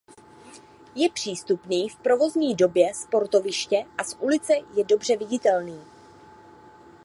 Je přístupný v provozní době sportoviště a z ulice je dobře viditelný.